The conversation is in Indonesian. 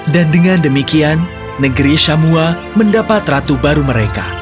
dan dengan demikian negeri shamua mendapat ratu baru mereka